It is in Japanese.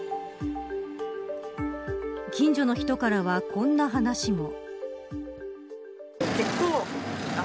近所の人からはこんな話も。